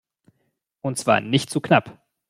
Und zwar nicht zu knapp!